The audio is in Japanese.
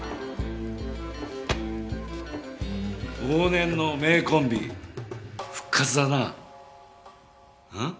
往年の名コンビ復活だなあ！